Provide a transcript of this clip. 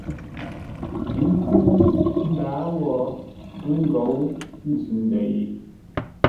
Ə́ nkə́u ndǎa wó, ə́ ngǒu nzʉ-ndə̂ ye.